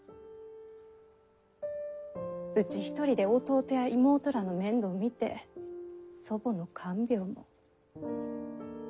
うち一人で弟や妹らの面倒を見て祖母の看病も。